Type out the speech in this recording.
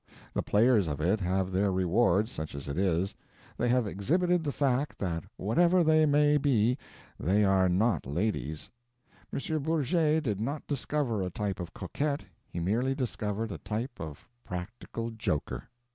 The players of it have their reward, such as it is; they have exhibited the fact that whatever they may be they are not ladies. M. Bourget did not discover a type of coquette; he merely discovered a type of practical joker.